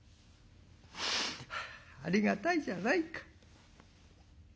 「ありがたいじゃないか。